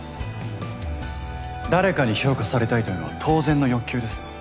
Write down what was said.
誰かに評価されたいというのは当然の欲求です。